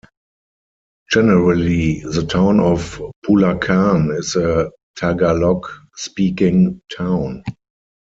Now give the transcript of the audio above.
Generally the town of Bulakan is a Tagalog speaking town.